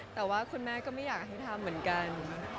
แต่ว่าคุณแม่ก็ไม่อยากให้ทำเหมือนกัน